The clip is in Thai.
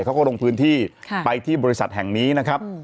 เขาก็ลงพื้นที่ไปที่บริษัทแห่งนี้นะครับ